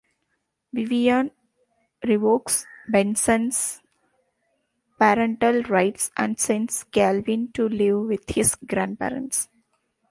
Vivian revokes Benson's parental rights and sends Calvin to live with his grandparents.